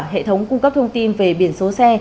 hệ thống cung cấp thông tin về biển số xe